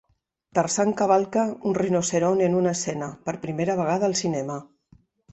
Tarzan cavalca un rinoceront en una escena, per primera vegada al cinema.